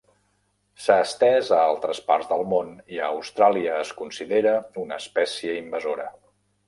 S'ha estès a altres parts del món i a Austràlia es considera una espècie invasora.